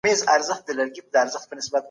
په لویه جرګه کي د فساد مخنیوی څنګه کېږي؟